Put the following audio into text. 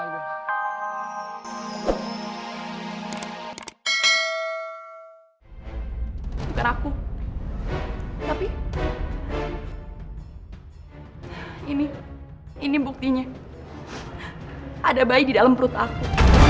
bukan aku tapi ini ini buktinya ada bayi di dalam perut aku